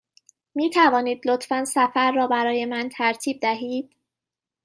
می توانید لطفاً سفر را برای من ترتیب دهید؟